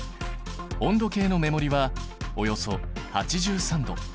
温度計の目盛りはおよそ８３℃。